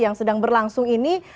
yang sedang berlangsung ini